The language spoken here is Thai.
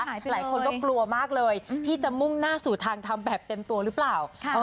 หลายคนก็กลัวมากเลยที่จะมุ่งหน้าสู่ทางทำแบบเต็มตัวหรือเปล่า